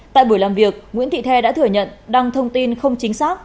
tại buổi làm việc nguyễn thị the đã thừa nhận đăng thông tin không chính xác